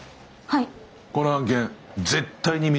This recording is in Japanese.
はい！